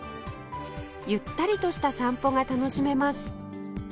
ゆったりとした散歩が楽しめます